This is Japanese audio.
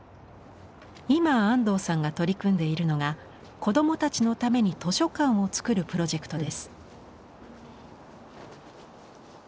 今安藤さんが取り組んでいるのが子どもたちのために図書館をつくるプロジェクトです。